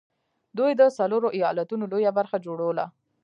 دوی د څلورو ايالتونو لويه برخه جوړوله